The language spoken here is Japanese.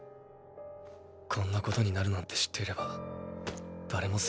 こんなことになるなんて知っていれば誰も戦場なんか行かないだろう。